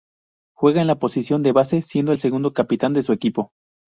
Juega en la posición de base, siendo el segundo capitán de su equipo.